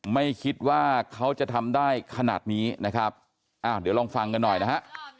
ไม่คิดว่าเขาจะทำได้ขนาดนี้นะครับอ้าวเดี๋ยวลองฟังกันหน่อยนะฮะ